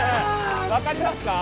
分かりますか？